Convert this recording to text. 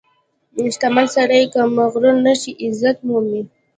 • شتمن سړی که مغرور نشي، عزت مومي.